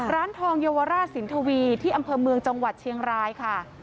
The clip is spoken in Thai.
ร้านทองเยาวราชสินทวีที่อำเภอเมืองจังหวัดเชียงรายค่ะ